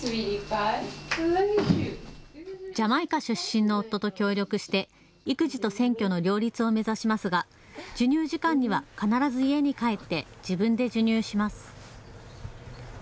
ジャマイカ出身の夫と協力して育児と選挙の両立を目指しますが授乳時間には必ず家に帰って自分で授乳します。